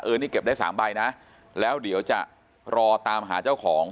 อันนี้เก็บได้สามใบนะแล้วเดี๋ยวจะรอตามหาเจ้าของ